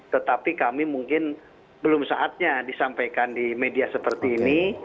tetapi kami mungkin belum saatnya disampaikan di media seperti ini